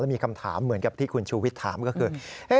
มีคำถามเหมือนกับที่คุณชูวิทย์ถามก็คือ